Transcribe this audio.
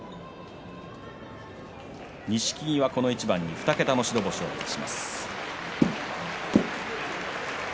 錦木はこの一番に２桁の白星を懸けます。